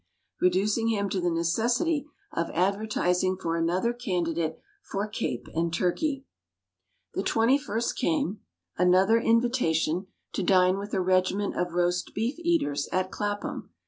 reducing him to the necessity of advertising for another candidate for Cape and turkey. The twenty first came. Another invitation to dine with a regiment of roast beef eaters, at Clapham.